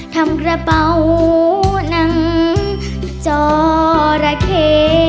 ทำกระเป๋านั่งจระเข้